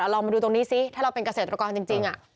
ลองมาดูตรงนี้ซิถ้าเราเป็นเกษตรกรจริง